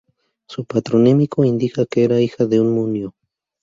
Su patronímico indica que era hija de un Munio.